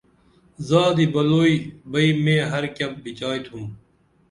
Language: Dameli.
زادی بلوئی بئی مے ہر کیہ بِچائی تُھم